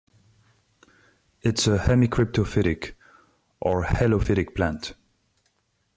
It's a hemicryptophytic or helophytic plant.